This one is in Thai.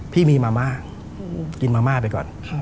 พี่มีมาม่ากินมาม่าไปก่อน